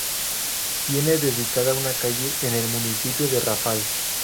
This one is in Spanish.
Tiene dedicada una calle en el municipio de Rafal.